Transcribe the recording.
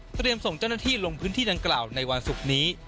ส่งเจ้าหน้าที่ลงพื้นที่ดังกล่าวในวันศุกร์นี้